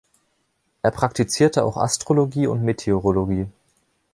Er praktizierte auch Astrologie und Meteorologie.